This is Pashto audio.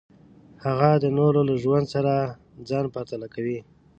هغه د نورو له ژوند سره ځان پرتله کوي.